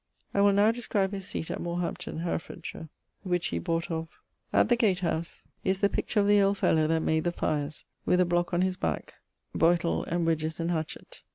I will now describe his seate at Morhampton (Hereff.), which he bought of.... At the gate house is the picture of the old fellowe that made the fires, with a block on his back, boytle and wedges and hatchet.